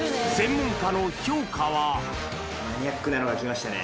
マニアックなのがきましたね！